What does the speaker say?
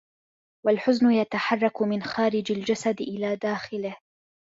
وَالْحُزْنُ يَتَحَرَّك مِنْ خَارِجِ الْجَسَدِ إلَى دَاخِلِهِ